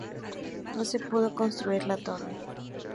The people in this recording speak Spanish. No se pudo construir la torre.